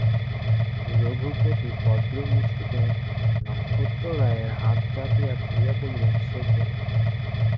রঘুপতি বজ্রমুষ্টিতে নক্ষত্ররায়ের হাত চাপিয়া ধরিয়া বলিলেন, সে কে?